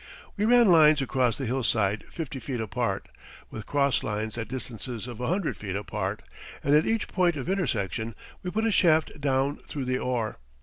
We ran lines across the hillside fifty feet apart, with cross lines at distances of a hundred feet apart, and at each point of intersection we put a shaft down through the ore.